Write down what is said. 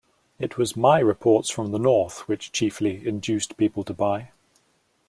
It was my reports from the north which chiefly induced people to buy.